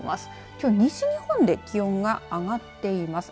きょう西日本で気温が上がっています。